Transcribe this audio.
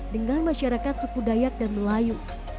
dengan masyarakat suku dayak dan melayu